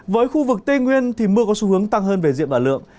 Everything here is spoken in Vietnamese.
với khu vực tây nguyên thì mưa có xu hướng tăng hơn về diện và lượng